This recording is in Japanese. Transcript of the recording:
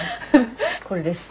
これです。